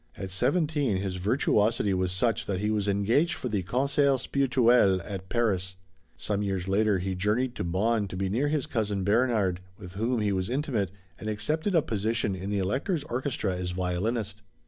At seventeen, his virtuosity was such that he was engaged for the Concerts Spirituels at Paris. Some years later he journeyed to Bonn to be near his cousin Bernhard, with whom he was intimate, and accepted a position in the Elector's orchestra as violinist.